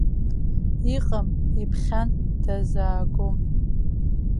Иҟам иԥхьан дазаагом.